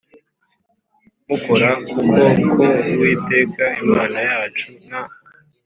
mukora kuko ku Uwiteka Imana yacu nta